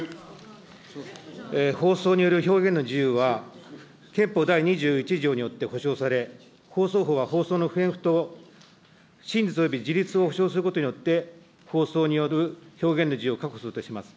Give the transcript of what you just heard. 放送による表現の自由は、憲法第２１条によって保障され、放送法は放送の不偏不党、真実および自律を保障することによって、放送による表現の自由を確保するとします。